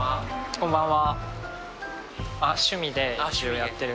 こんばんは。